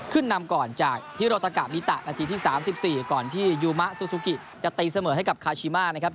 ขึ้นนำก่อนจากพิโรตะกะบิตะนาทีที่๓๔ก่อนที่ยูมะซูซูกิจะตีเสมอให้กับคาชิมานะครับ